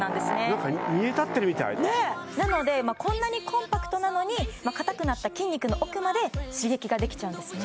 何か煮え立ってるみたいなのでこんなにコンパクトなのに硬くなった筋肉の奥まで刺激ができちゃうんですね